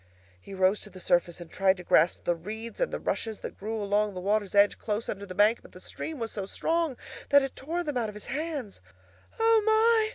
He rose to the surface and tried to grasp the reeds and the rushes that grew along the water's edge close under the bank, but the stream was so strong that it tore them out of his hands. "O my!"